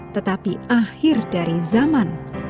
tetapi akhir dari zaman